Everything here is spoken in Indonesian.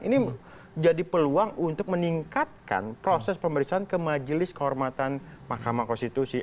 ini jadi peluang untuk meningkatkan proses pemeriksaan ke majelis kehormatan mahkamah konstitusi